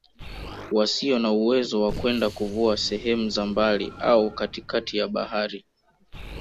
Wasio na uwezo wa kwenda kuvua sehemu za mbali au katikati ya bahari